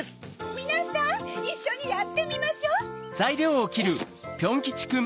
みなさんいっしょにやってみましょう！